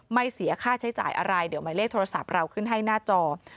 เสียค่าใช้จ่ายอะไรเดี๋ยวหมายเลขโทรศัพท์เราขึ้นให้หน้าจอ